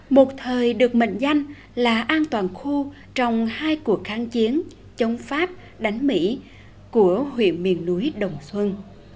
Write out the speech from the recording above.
một thời được mệnh danh là an toàn khu trong hai cuộc kháng chiến chống pháp đánh mỹ của huyện miền núi đồng xuân